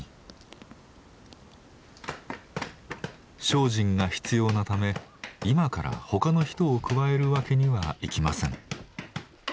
精進が必要なため今から他の人を加えるわけにはいきません。